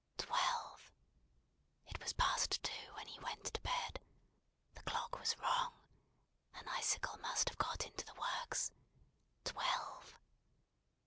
Twelve! It was past two when he went to bed. The clock was wrong. An icicle must have got into the works. Twelve!